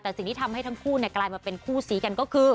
แต่สิ่งที่ทำให้ทั้งคู่กลายมาเป็นคู่ซีกันก็คือ